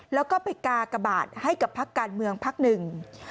แล้วก็ไปกากบาทให้กับพักการเมืองพักหนึ่ง